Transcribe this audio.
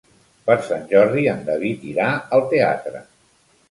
Per Sant Jordi en David irà al teatre.